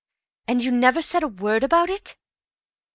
"And you never said a word about it!"